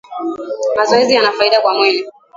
Mazoezi yana faidi kwa mwili